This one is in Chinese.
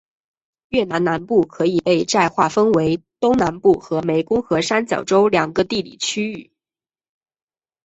越南南部可以被再划分为东南部和湄公河三角洲两个地理区域。